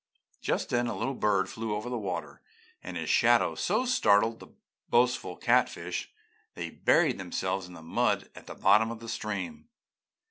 "Just then a little bird flew over the water and his shadow so startled the boastful catfish, they buried themselves in the mud at the bottom of the stream.